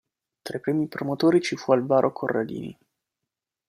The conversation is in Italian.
Tra i primi promotori ci fu Alvaro Corradini.